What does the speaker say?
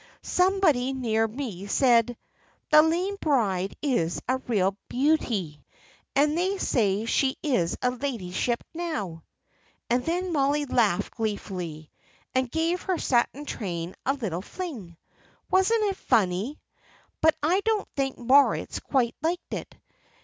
"Somebody near me said, 'The lame bride is a real beauty, and they say she is a ladyship now.'" And then Mollie laughed gleefully, and gave her satin train a little fling. "Wasn't it funny? But I don't think Moritz quite liked it.